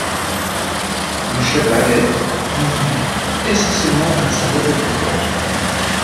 Le cheval est, en Guinée, essentiellement un symbole de pouvoir.